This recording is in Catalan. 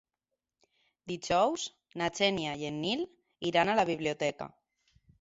Dijous na Xènia i en Nil iran a la biblioteca.